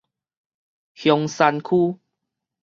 香山區